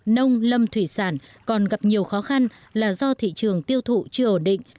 nông lâm thủy sản còn gặp nhiều khó khăn là do thị trường tiêu thụ chưa ổn định